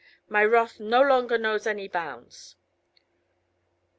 My wrath no longer knows any bounds."